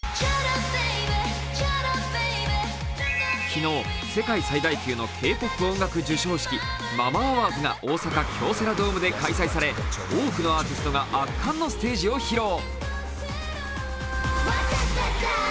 昨日、世界最大級のＫ−ＰＯＰ音楽授賞式ＭＡＭＡＡＷＡＲＤＳが大阪・京セラドームで開催され多くのアーティストが圧巻のステージを披露。